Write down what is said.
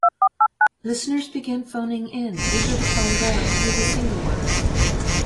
Listeners began phoning in, eager to find out who the singer was.